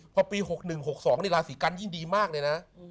พอปี๖๑๖๒นี่ราศีกันยิ่งดีมากเลยนะ